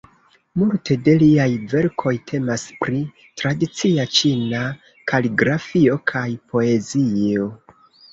Multe de liaj verkoj temas pri tradicia ĉina kaligrafio kaj poezio.